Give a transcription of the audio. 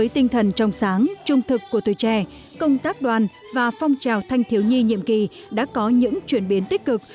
tinh thần trong sáng trung thực của tuổi trẻ công tác đoàn và phong trào thanh thiếu nhi nhiệm kỳ đã có những chuyển biến tích cực